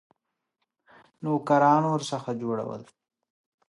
نوکران ورڅخه جوړول.